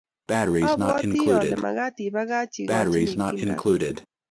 abwati kole magaat ibagaach igichini Kim robinik